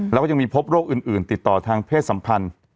แล้วก็ยังมีพบโรคอื่นติดต่อทางเพศสัมพันธ์